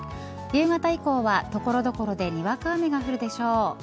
夕方以降は所々でにわか雨が降るでしょう。